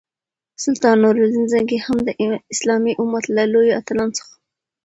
سلطان نور الدین زنګي هم د اسلامي امت له لویو اتلانو څخه وو.